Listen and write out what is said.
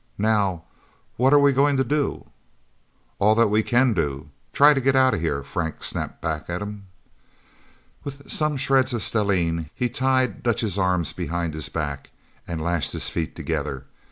"Now what are we going to do?" "All that we can do try to get out of here!" Frank snapped back at him. With some shreds of stellene, he tied Dutch's arms behind his back, and lashed his feet together.